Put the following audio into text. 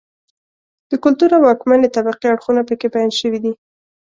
د کلتور او واکمنې طبقې اړخونه په کې بیان شوي دي.